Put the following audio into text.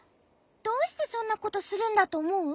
どうしてそんなことするんだとおもう？